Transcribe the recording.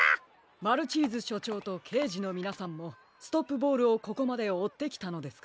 マルチーズしょちょうとけいじのみなさんもストップボールをここまでおってきたのですか？